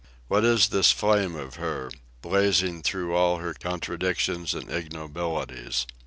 What is this flame of her, blazing through all her contradictions and ignobilities?